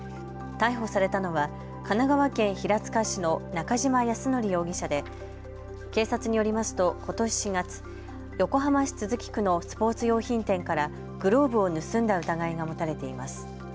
逮捕されたのは神奈川県平塚市の中島康典容疑者で警察によりますと、ことし４月、横浜市都筑区のスポーツ用品店からグローブを盗んだ疑いが持たれています。